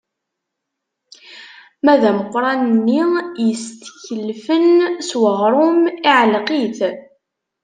Ma d ameqrad-nni yestkellfen s uɣrum, iɛelleq-it.